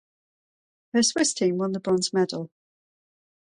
Her Swiss team won the bronze medal.